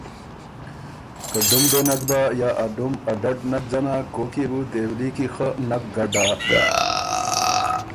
که ډُم دې نک بۀ یا ا ډُم ا ډډ نک ځنا کوک يې بو دېولي کی خه نک ګډا۔